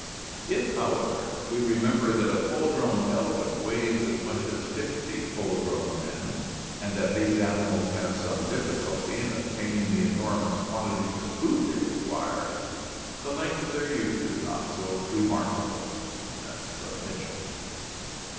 If, however, we remember that a full grown elephant weighs as much as fifty full grown men, and that these animals have some difficidty in obtaining the enor mous quantities of food they require, the length of their youth is not so remarkable" (Mitchell).